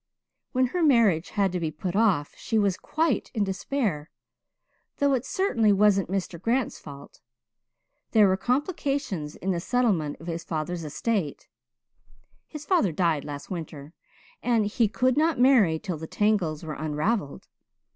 When her marriage had to be put off she was quite in despair though it certainly wasn't Mr. Grant's fault. There were complications in the settlement of his father's estate his father died last winter and he could not marry till the tangles were unravelled.